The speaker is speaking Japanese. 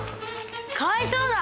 かわいそうだ！